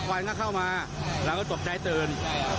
มีความรู้สึกว่าเกิดอะไรขึ้น